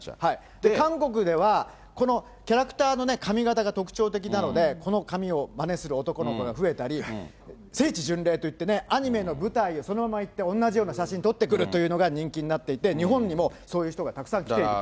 韓国では、このキャラクターの髪形が特徴的なので、この髪をまねする男の子が増えたり、聖地巡礼といってね、アニメの舞台にそのまま行って、同じような写真撮ってくるというのが人気になっていて、日本にもそういう人がたくさん来ていると。